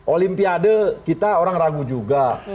olimpiade kita orang ragu juga